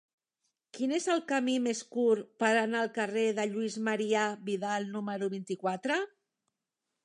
Quin és el camí més curt per anar al carrer de Lluís Marià Vidal número vint-i-quatre?